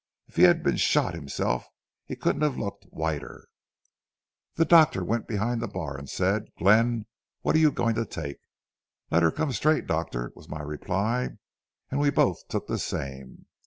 If he had been shot himself he couldn't have looked whiter. "The doctor went behind the bar and said: 'Glenn, what are you going to take?' 'Let her come straight, doctor,' was my reply, and we both took the same.